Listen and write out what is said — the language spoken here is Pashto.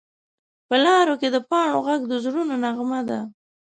په لارو کې د پاڼو غږ د زړونو نغمه ده